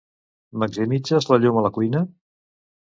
Maximitzes la llum a la cuina?